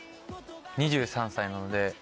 ２３歳なので。